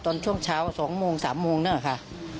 ตอนช่วงเช้า๒โมง๓โมงเนี่ยค่ะ